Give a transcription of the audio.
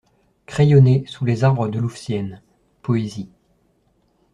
Crayonné sous les Arbres de Louveciennes, poésie.